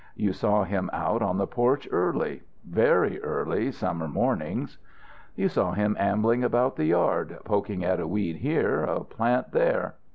You saw him out on the porch early, very early summer mornings. You saw him ambling about the yard, poking at a weed here, a plant there.